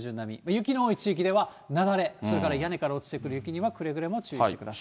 雪の多い地域では、雪崩、それから屋根から落ちてくる雪にはくれぐれも注意してください。